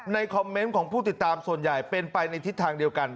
คอมเมนต์ของผู้ติดตามส่วนใหญ่เป็นไปในทิศทางเดียวกัน